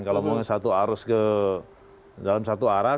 kalau mau satu arus ke dalam satu arah